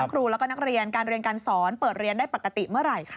ครูแล้วก็นักเรียนการเรียนการสอนเปิดเรียนได้ปกติเมื่อไหร่คะ